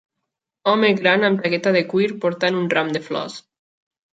Home gran amb jaqueta de cuir portant un ram de flors.